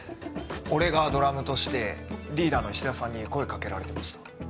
俺がドラムとしてリーダーの衣氏田さんに声掛けられてました。